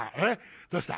どうした？